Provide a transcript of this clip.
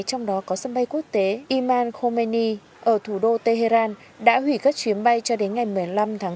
trong đó có sân bay quốc tế iman khomeni ở thủ đô tehran đã hủy các chuyến bay cho đến ngày một mươi năm tháng bốn